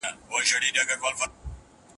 په ننني عصر کي ټول واک د ولس په لاس کي دی.